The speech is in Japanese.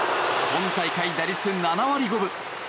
今大会、打率７割５分。